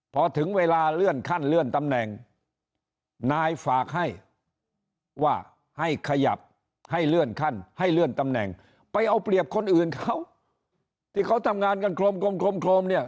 พอถึงเวลาเลื่อนขั้นเลื่อนตำแหน่งนายฝากให้ว่าให้ขยับให้เลื่อนขั้นให้เลื่อนตำแหน่งไปเอาเปรียบคนอื่นเขาที่เขาทำงานกันโครมกลมเนี่ย